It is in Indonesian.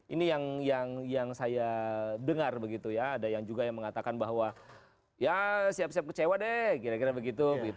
ini yang saya dengar begitu ya ada yang juga yang mengatakan bahwa ya siap siap kecewa deh kira kira begitu